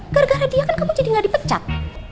gara gara dia kan kamu jadi nggak dipecat